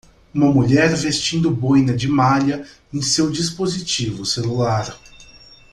Uma mulher vestindo boina de malha em seu dispositivo celular.